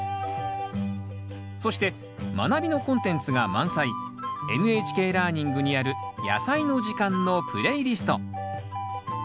そして「まなび」のコンテンツが満載「ＮＨＫラーニング」にある「やさいの時間」のプレイリスト。